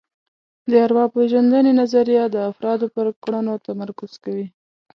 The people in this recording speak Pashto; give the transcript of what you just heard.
د ارواپېژندنې نظریه د افرادو پر کړنو تمرکز کوي